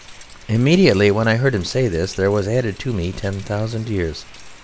Immediately when I heard him say this there was added to me ten thousand years.